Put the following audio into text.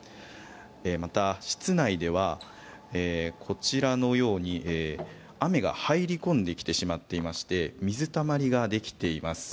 また、室内ではこちらのように雨が入り込んできてしまっていまして水たまりができています。